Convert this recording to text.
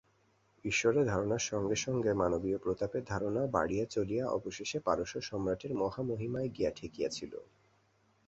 ঈশ্বরের ধারণার সঙ্গে সঙ্গে মানবীয় প্রতাপের ধারণাও বাড়িয়া চলিয়া অবশেষে পারস্যসম্রাটের মহামহিমায় গিয়া ঠেকিয়াছিল।